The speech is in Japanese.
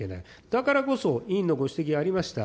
だからこそ、委員のご指摘ありました